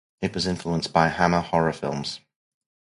It was influenced by Hammer Horror films.